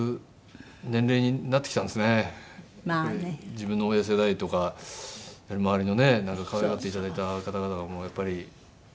自分の親世代とか周りのね可愛がって頂いた方々がやっぱり。